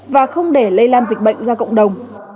và không để lây lan dịch bệnh ra cộng đồng